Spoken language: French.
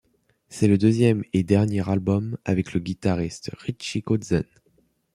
C'est le deuxième et dernier album avec le guitariste Richie Kotzen.